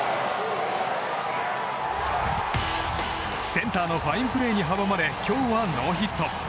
センターのファインプレーに阻まれ今日はノーヒット。